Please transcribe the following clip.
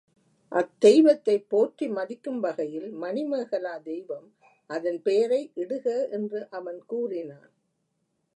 அத்தெய்வத்தைப் போற்றி மதிக்கும் வகையில் மணிமேகலா தெய்வம் அதன் பெயரை இடுக என்று அவன் கூறினான்.